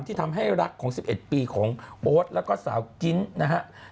ที่ทำให้รักของ๑๑ปีของโอ๊ตแล้วก็สาวกิ๊งนะฮะ